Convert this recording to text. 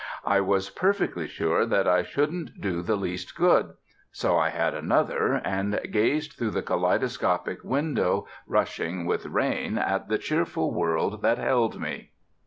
I was perfectly sure that I shouldn't do the least good; so I had another, and gazed through the kaleidoscopic window, rushing with rain, at the cheerful world that held me.